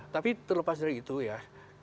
tapi terlepas dari itu ya